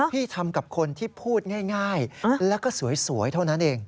พี่ทำกับคนที่พูดง่ายแล้วก็สวยเท่านั้นเอง